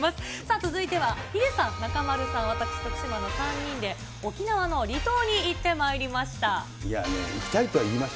続いてはヒデさん、中丸さん、私、徳島の３人で沖縄の離島に行ってまいりました。